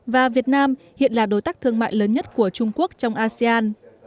và việt nam hiện là đối tác thương mại lớn nhất của trung quốc trong asean